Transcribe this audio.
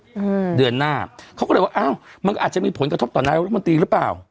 อืมเดือนหน้าเขาก็เลยว่าอ้าวมันก็อาจจะมีผลกระทบต่อนายกรัฐมนตรีหรือเปล่า